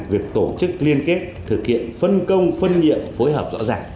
việc tổ chức liên kết thực hiện phân công phân nhiệm phối hợp rõ ràng